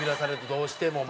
どうしてももう。